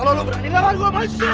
kalau lo berani ngebar gue mahsyis